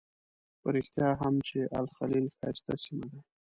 په رښتیا هم چې الخلیل ښایسته سیمه ده.